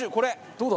どうだ？